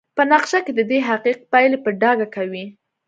په نقشه کې ددې حقیق پایلې په ډاګه کوي.